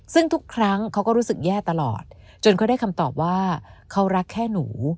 ซึ่งทุกครั้งเขาก็รู้สึกแย่ตลอดจนเขาได้คำตอบว่าเขารักแค่หนู